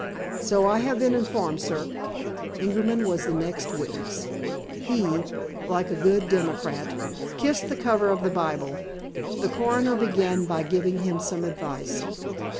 "So I have been informed, sir." Ingerman was the next witness. He, like a good democrat, kissed the cover of the Bible. The coroner began by giving him some advice.